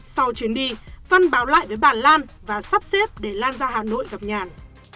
sau chuyến đi văn báo lại với bà lan và sắp xếp để lan ra hà nội gặp nhàn